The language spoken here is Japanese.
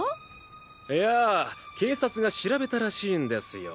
いやぁ警察が調べたらしいんですよ。